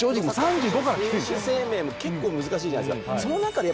選手生命も結構難しいじゃないですか。